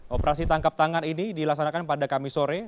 operasi tangkap tangan ini dilaksanakan pada kamis sore